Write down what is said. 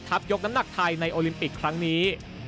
ยกน้ำหนักไทยในโอลิมปิกครั้งนี้